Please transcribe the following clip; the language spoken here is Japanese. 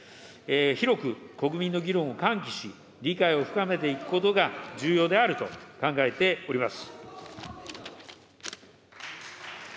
広く国民の議論を喚起し、理解を深めていくことが重要であると考えております。